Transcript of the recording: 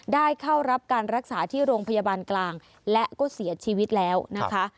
ได้เข้ารับการรักษาที่โรงพยาบาลกลางและก็เสียชีวิตแล้วนะคะ